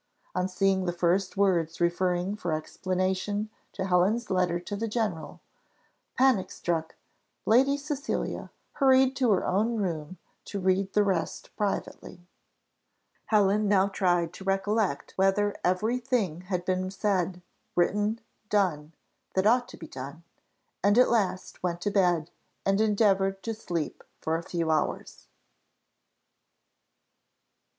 On seeing the first words referring for explanation to Helen's letter to the general, panic struck, Lady Cecilia hurried to her own room to read the rest privately. Helen now tried to recollect whether every thing had been said, written, done, that ought to be done; and at last went to bed and endeavoured to sleep for a few hours.